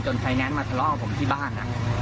ไฟแนนซ์มาทะเลาะกับผมที่บ้าน